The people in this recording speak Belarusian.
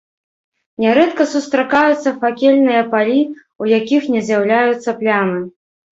Нярэдка сустракаюцца факельныя палі, у якіх не з'яўляюцца плямы.